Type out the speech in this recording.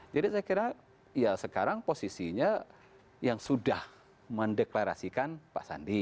jadi saya kira ya sekarang posisinya yang sudah mendeklarasikan pak sandi